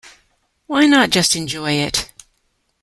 Why not just enjoy it?